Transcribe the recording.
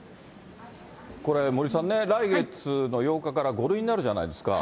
これ、森さんね、来月の８日から５類になるじゃないですか。